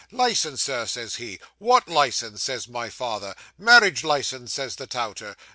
"Licence, Sir," says he. "What licence?" says my father. "Marriage licence," says the touter.